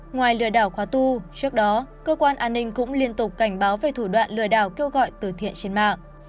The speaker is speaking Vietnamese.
ngoài lừa đảo khóa tu trước đó cơ quan an ninh cũng liên tục cảnh báo về thủ đoạn lừa đảo kêu gọi từ thiện trên mạng